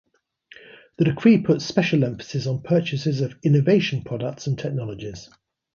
The decree puts special emphasis on purchases of innovation products and technologies.